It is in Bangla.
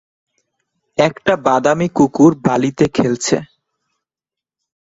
একটা বাদামী কুকুর বালিতে খেলছে।